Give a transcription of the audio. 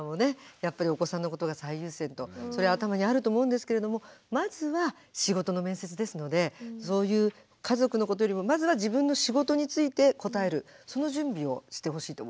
やっぱりお子さんのことが最優先とそれは頭にあると思うんですけれどもまずは仕事の面接ですのでそういう家族のことよりもまずは自分の仕事について答えるその準備をしてほしいと思います。